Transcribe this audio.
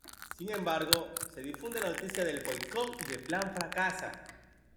Sin embargo, se difunde la noticia del boicot y el plan fracasa.